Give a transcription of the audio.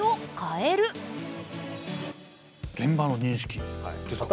現場の認識ですか？